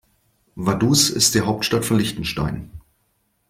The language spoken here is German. Vaduz ist die Hauptstadt von Liechtenstein.